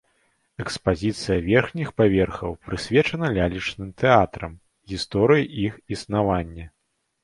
Экспазіцыя верхніх паверхаў прысвечана лялечным тэатрам, гісторыі іх існавання.